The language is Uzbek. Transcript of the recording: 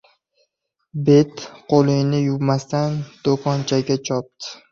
Bet-qo‘lini yuvmasdan do‘konchaga chopdi.